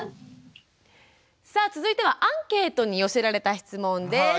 さあ続いてはアンケートに寄せられた質問です。